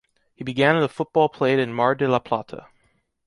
He began in the football played in Mar de la Plata.